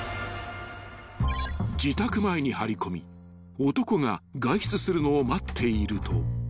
［自宅前に張り込み男が外出するのを待っていると］